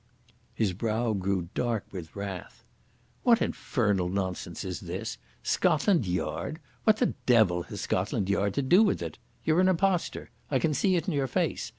His brow grew dark with wrath. "What infernal nonsense is this? Scotland Yard! What the devil has Scotland Yard to do with it? You're an imposter. I can see it in your face.